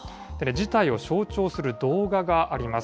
事態を象徴する動画があります。